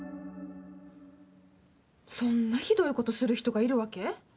そんなひどいことする人がいるわけ？